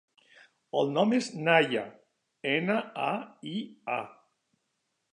El nom és Naia: ena, a, i, a.